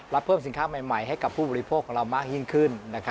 เพิ่มสินค้าใหม่ให้กับผู้บริโภคของเรามากยิ่งขึ้น